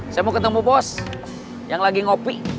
saya mau ketemu bos yang lagi ngopi